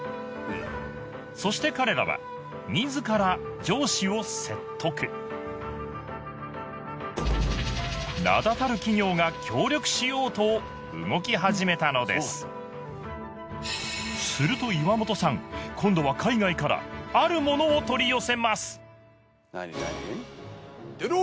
そして彼らはみずから上司を説得名だたる企業が協力しようと動き始めたのですすると岩元さん今度は海外からあるモノを取り寄せます